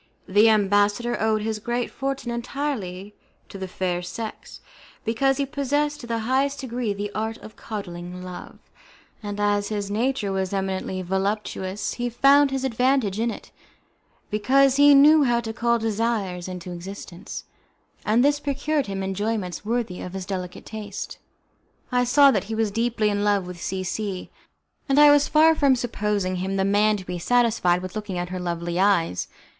The ambassador owed his great fortune entirely to the fair sex, because he possessed to the highest degree the art of coddling love; and as his nature was eminently voluptuous he found his advantage in it, because he knew how to call desires into existence, and this procured him enjoyments worthy of his delicate taste. I saw that he was deeply in love with C C , and I was far from supposing him the man to be satisfied with looking at her lovely eyes.